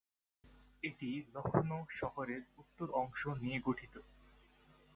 এটি লখনউ শহরের উত্তর অংশ নিয়ে গঠিত।